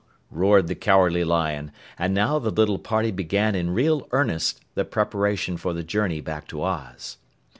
roared the Cowardly Lion, and now the little party began in real earnest the preparation for the journey back to Oz.